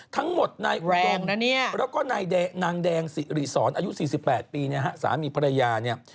ทั้งหมดนายอุดมแล้วก็นายนางแดงสิริสรอายุ๔๘ปีเนี่ยฮะสามีภรรยาเนี่ย